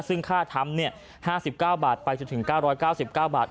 ซึ่งค่าทำ๕๙บาทไปจนถึง๙๙๙บาท